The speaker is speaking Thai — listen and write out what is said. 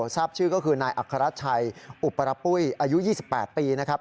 ทราบชื่อก็คือนายอัครชัยอุปรปุ้ยอายุ๒๘ปีนะครับ